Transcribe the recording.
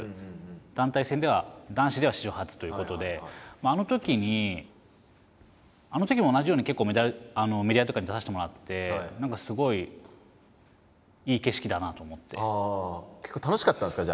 団体戦では男子では史上初ということであのときにあのときも同じように結構メディアとかに出させてもらってすごい結構楽しかったんですか？